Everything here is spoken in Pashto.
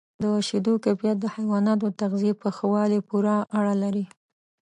د شیدو کیفیت د حیواناتو د تغذیې په ښه والي پورې اړه لري.